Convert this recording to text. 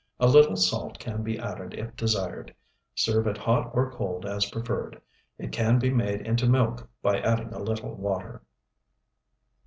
A little salt can be added if desired. Serve it hot or cold as preferred. It can be made into milk by adding a little water.